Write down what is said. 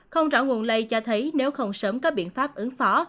không rõ nguồn lây cho thấy nếu không sớm có biện pháp ứng phó